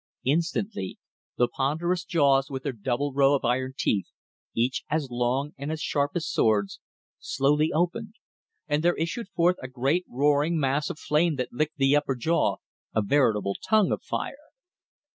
Instantly the ponderous jaws with their double row of iron teeth, each as long and as sharp as swords, slowly opened, and there issued forth a great roaring mass of flame that licked the upper jaw, a veritable tongue of fire.